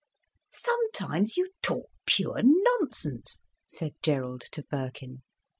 "Sometimes you talk pure nonsense," said Gerald to Birkin.